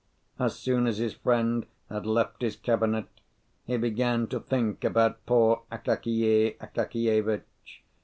As soon as his friend had left his cabinet, he began to think about poor Akakiy Akakievitch.